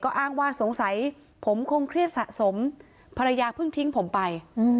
อ้างว่าสงสัยผมคงเครียดสะสมภรรยาเพิ่งทิ้งผมไป